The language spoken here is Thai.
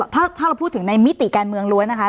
ถ้าเราพูดถึงในมิติการเมืองล้วนนะคะ